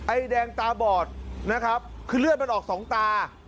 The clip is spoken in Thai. ไอแดงตาบอดนะครับคือเลือดมันออกสองตา